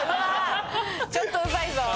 ちょっとうざいぞ。